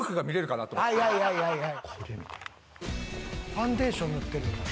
「ファンデーション塗ってる」